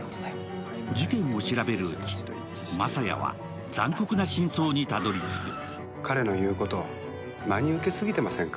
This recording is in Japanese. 事件を調べるうち、雅也は残酷な真相にたどりつく。